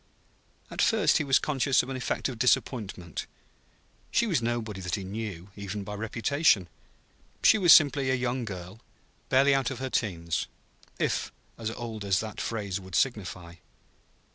At first he was conscious of an effect of disappointment. She was nobody that he knew, even by reputation. She was simply a young girl, barely out of her teens if as old as that phrase would signify.